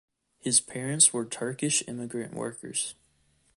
His parents were Turkish immigrant workers.